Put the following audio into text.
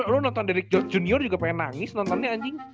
lu nonton dari junior juga pengen nangis nontonnya anjing